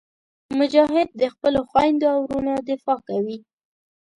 مجاهد د خپلو خویندو او وروڼو دفاع کوي.